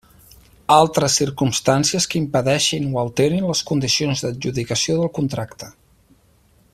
Altres circumstàncies que impedeixin o alterin les condicions d'adjudicació del contracte.